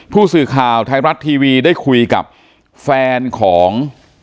ผู้สื่อข่าวไทยรัฐทีวีได้คุยกับแฟนของ